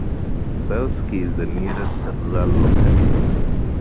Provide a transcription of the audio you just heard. Belsky is the nearest rural locality.